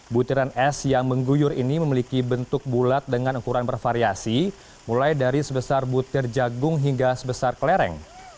butiran es yang mengguyur ini memiliki bentuk bulat dengan ukuran bervariasi mulai dari sebesar butir jagung hingga sebesar kelereng